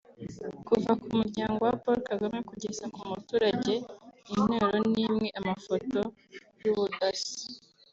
Kuva ku muryango wa Paul Kagame kugeza ku muturage intero n’imwe-Amafoto y’ubudasa